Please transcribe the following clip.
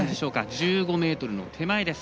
１５ｍの手前です。